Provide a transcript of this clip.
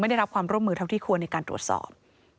ได้รับความร่วมมือเท่าที่ควรในการตรวจสอบ